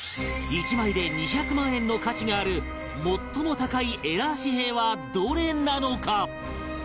１枚で２００万円の価値がある最も高いエラー紙幣はどれなのか？